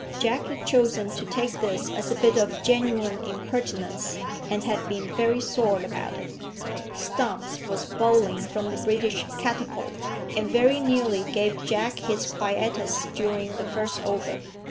Jack had chosen to take this as a bit of genuine impertinence, and had been very sore about it. Stumps was bowling from the British catapult, and very nearly gave Jack his quietus during the first over.